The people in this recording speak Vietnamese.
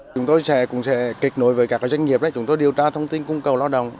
chúng tôi sẽ kịch nối với các doanh nghiệp chúng tôi điều tra thông tin cung cầu lao động